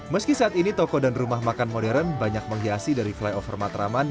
meski saat ini toko dan rumah makan modern banyak menghiasi dari flyover matraman